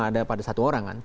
ada pada satu orang kan